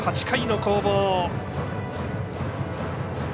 ８回の攻防。